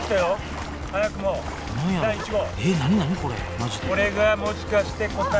マジでこれがもしかして答え。